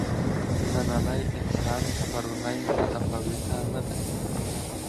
نننی انسان پروني متفاوته نه دي.